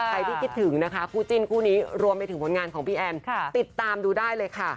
ใครที่คิดถึงนะคะคู่จิ้นคู่นี้รวมไปถึงผลงานของพี่แอนติดตามดูได้เลยค่ะ